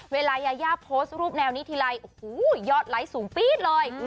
เวลายายาโพสต์รูปแนวนี้ทีไรโอ้โหยอดไลค์สูงปี๊ดเลย